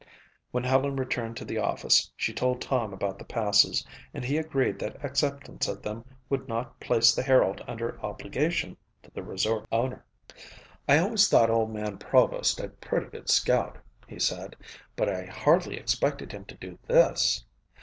When Helen returned to the office she told Tom about the passes and he agreed that acceptance of them would not place the Herald under obligation to the resort owner. "I always thought old man Provost a pretty good scout," he said, "but I hardly expected him to do this.